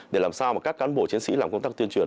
để làm sao mà các cán bộ chiến sĩ làm công tác tuyên truyền